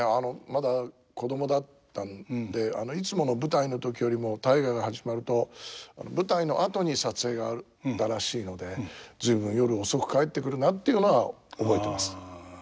まだ子供だったんでいつもの舞台の時よりも「大河」が始まると舞台の後に撮影があったらしいので「随分夜遅く帰ってくるな」っていうのは覚えてます。